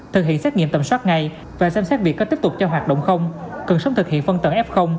thực hiện xét nghiệm tầm soát ngay và xem xét việc có tiếp tục cho hoạt động không cần sớm thực hiện phân tầng f